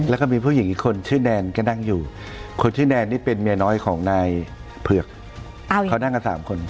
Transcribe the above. แล้วก็มีผู้หญิงอีกคนชื่อแนนก็นั่งอยู่คนชื่อแนนนี่เป็นเมียน้อยของนายเผือกเขานั่งกันสามคน